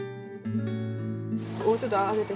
これちょっと上げて。